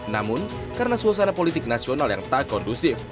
namun karena suasana politik nasional yang tak kondusif